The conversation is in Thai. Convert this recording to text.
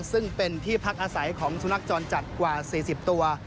ซึ่งเป็นที่พักอาศัยของสุนัขจรจัดกว่า๔๐ตัว